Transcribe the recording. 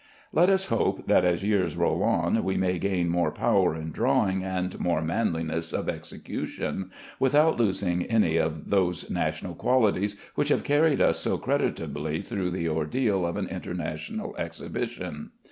Let us hope that as years roll on we may gain more power in drawing and more manliness of execution, without losing any of those national qualities which have carried us so creditably through the ordeal of an International Exhibition.